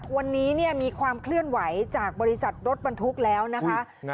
วันนี้เนี่ยมีความเคลื่อนไหวจากบริษัทรถบรรทุกแล้วนะคะ